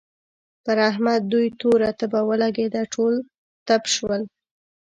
پر احمد دوی توره تبه ولګېده؛ ټول تپ شول.